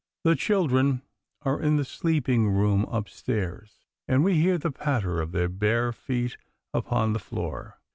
The children are in the sleeping room upstairs, and we hear the patter of their bare feet upon the floor.